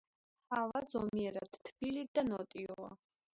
ჰავა ზომიერად თბილი და ნოტიოა.